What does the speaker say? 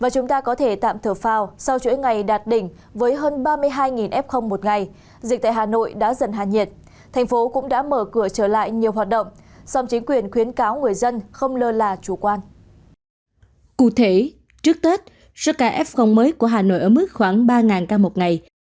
cụ thể trước tết số ca f mới của hà nội ở mức khoảng ba ca một ngày